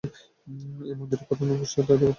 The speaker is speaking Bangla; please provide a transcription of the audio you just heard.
এই মন্দিরের প্রধান উপাস্য দেবতা হলেন শিব।